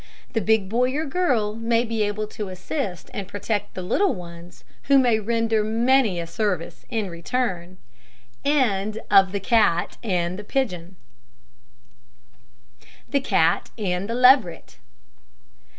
The big boy or girl may be able to assist and protect the little ones, who may render many a service in return. THE CAT AND THE LEVERET.